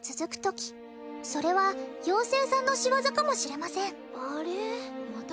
ときそれはようせいさんの仕業かもしれませんあれっ？